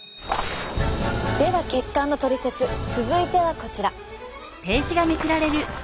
では血管のトリセツ続いてはこちら。